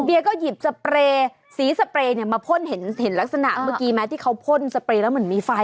เดียก็หยิบสเปรย์สีสเปรย์เนี่ยมาพ่นเห็นลักษณะเมื่อกี้ไหมที่เขาพ่นสเปรย์แล้วเหมือนมีไฟ